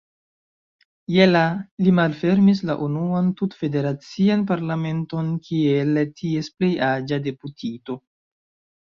Je la li malfermis la unuan tut-federacian parlamenton kiel ties plej-aĝa deputito.